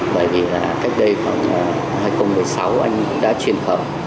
bởi vì là cách đây khoảng hai nghìn một mươi sáu anh đã chuyển khởi